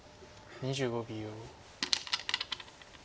２５秒。